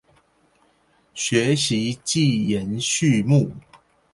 學習記言序目